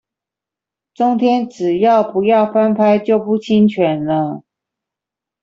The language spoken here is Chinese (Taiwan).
中天只要不要翻拍就不侵權了